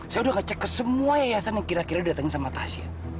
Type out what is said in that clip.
saya udah ngecek ke semua yayasan yang kira kira didatangin sama tasya